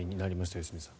良純さん。